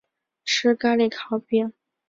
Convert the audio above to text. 吃咖哩烤饼